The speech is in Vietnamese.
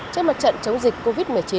trên mặt trận chống dịch covid một mươi chín